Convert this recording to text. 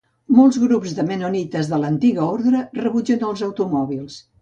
Molts grups de mennonites de l'antiga ordre rebutgen els automòbils.